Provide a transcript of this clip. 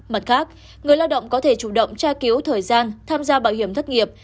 mặt khác người lao động có thể chủ động tra cứu thời gian tham gia bảo hiểm thất nghiệp